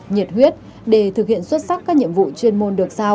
nhiệt huyết để thực hiện xuất sắc các nhiệm vụ chuyên môn được giao